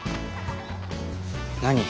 何？